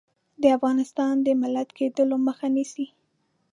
د افغانستان د ملت کېدلو مخه نیسي.